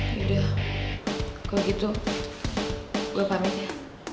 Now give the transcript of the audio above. yaudah kalau gitu gue pamit ya